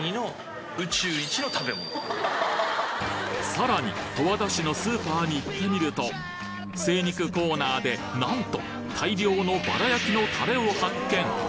さらに十和田市のスーパーに行ってみると精肉コーナーでなんと大量のバラ焼きのタレを発見！